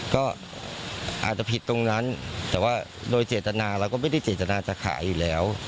ก็อาจจะผิดตรงนั้นแต่ว่าโดยเจตนาเราก็ไม่ได้เจตนาจะขายอยู่แล้ว